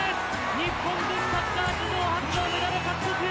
日本女子サッカー史上初のメダル獲得！